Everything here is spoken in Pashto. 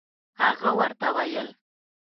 هغه ورته ویل.